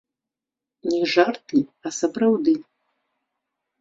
Не жарты, а сапраўды.